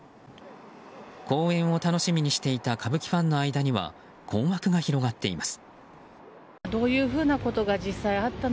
公演を楽しみにしていた歌舞伎ファンの間には困惑が広がっています。